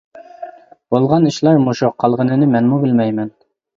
بولغان ئىشلار مۇشۇ قالغىنىنى مەنمۇ بىلمەيمەن.